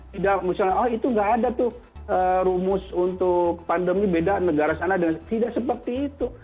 tidak misalnya oh itu nggak ada tuh rumus untuk pandemi beda negara sana dengan tidak seperti itu